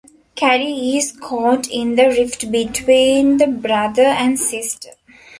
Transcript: Carrie is caught in the rift between the brother and sister.